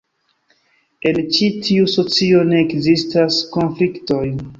En ĉi tiu socio ne ekzistas konfliktoj.